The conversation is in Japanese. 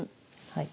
はい。